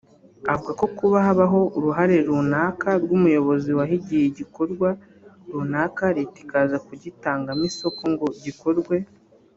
Avuga ko kuba habaho uruhare runaka rw’Umuyobozi wahigiye igikorwa runaka Leta ikaza kugitangamo isoko ngo gikorwe